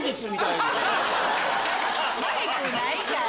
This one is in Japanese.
マイクないから。